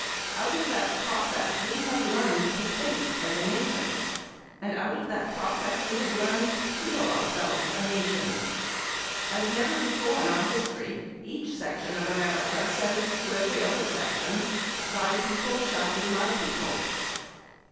Out of that process, we have learned to think as a nation. And out of that process we have learned to feel ourselves a nation. As never before in our history, each section of America says to every other section, "Thy people shall be my people."